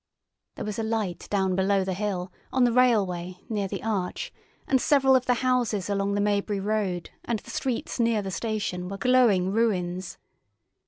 There was a light down below the hill, on the railway, near the arch, and several of the houses along the Maybury road and the streets near the station were glowing ruins.